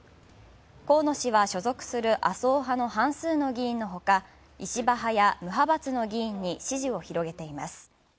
河野氏は所属する麻生派の半数の議員のほか、石破派や無派閥の議員に支持を広げています。